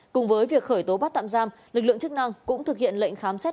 cùng với việc khởi tố bắt tạm giam lực lượng chức năng cũng thực hiện lệnh khám xét